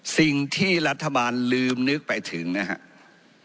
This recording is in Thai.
สิ่งที่รัฐบาลลืมนึกไปถึงนะครับ